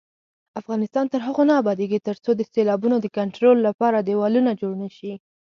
افغانستان تر هغو نه ابادیږي، ترڅو د سیلابونو د کنټرول لپاره دېوالونه جوړ نشي.